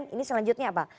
ini selanjutnya apa